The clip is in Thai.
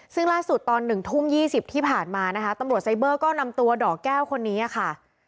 ซึ่งล่าสุดตอน๑ทุ่ม๒๐ที่ผ่านมานะคะตำรวจไซเบอร์ก็นำตัวดอกแก้วคนนี้ค่ะ